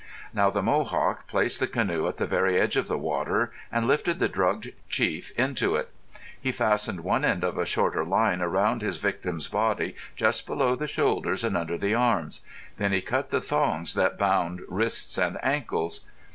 Now the Mohawk placed the canoe at the very edge of the water and lifted the drugged chief into it. He fastened one end of a shorter line around his victim's body just below the shoulders and under the arms. Then he cut the thongs that bound wrists and ankles.